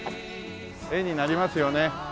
絵になりますよね